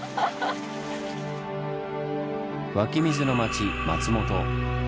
湧き水の町松本。